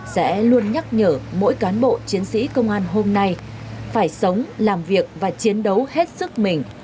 sẽ luôn nhắc nhở mỗi cán bộ chiến sĩ công an hôm nay phải sống làm việc và chiến đấu hết sức mình